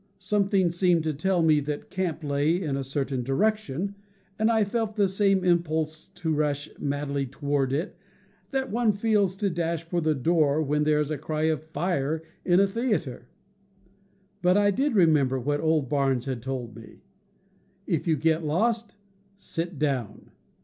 Something seemed to tell me that camp lay in a certain direction, and I felt the same impulse to rush madly toward it that one feels to dash for the door when there is a cry of "fire!" in a theater. But I did remember what old Barnes had told me: "If you get lost, sit down!